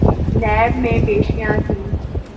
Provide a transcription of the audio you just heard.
NAB میں پیشیاں تھیں۔